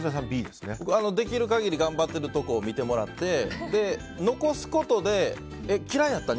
できる限り頑張っているところを見てもらって残すことで嫌いやった？